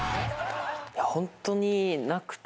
ホントになくて。